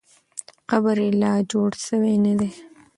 قبر یې لا جوړ سوی نه دی.